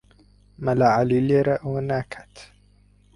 مەلا عەلی لێرە ئەوە ناکات.